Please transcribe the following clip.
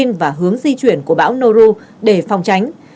các tỉnh đã đặt hướng di chuyển của bão noru để phòng tránh